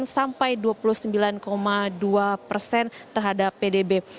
sampai dua puluh sembilan dua persen terhadap pdb